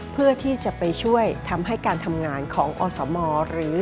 เพื่อที่จะไปช่วยทำให้การทำงานของอสมหรือ